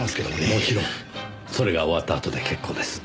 もちろんそれが終わったあとで結構です。